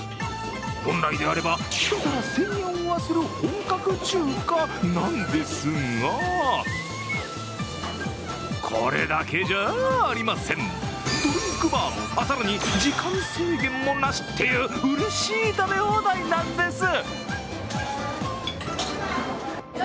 本来であれば１皿１０００円はする本格中華なんですがこれだけじゃありません、ドリンクバーも、更に時間制限もなしっていううれしい食べ放題なんです。